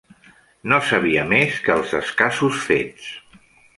No sabia més que els escassos fets.